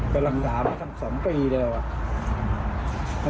ก็รักษามาสัก๒ปีแล้วอะ